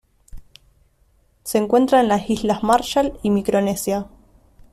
Se encuentra en las Islas Marshall y Micronesia.